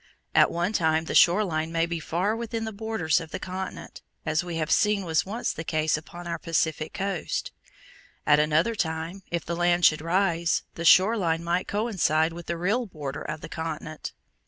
At one time the shore line may be far within the borders of the continent, as we have seen was once the case upon our Pacific coast; at another time, if the land should rise, the shore line might coincide with the real border of the continent.